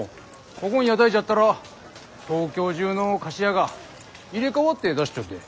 ここん屋台じゃったら東京中の菓子屋が入れ代わって出しちょっで。